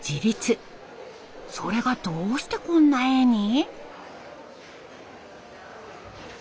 それがどうしてこんな絵に？